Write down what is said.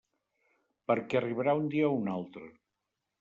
Perquè arribarà un dia o un altre.